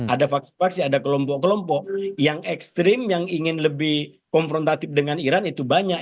ada faksi faksi ada kelompok kelompok yang ekstrim yang ingin lebih konfrontatif dengan iran itu banyak